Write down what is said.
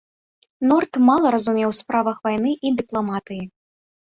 Норт мала разумеў ў справах вайны і дыпламатыі.